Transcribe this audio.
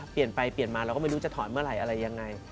เปลี่ยนไปเปลี่ยนมาเราก็ไม่รู้จะถอนเมื่อไหร่อะไรยังไง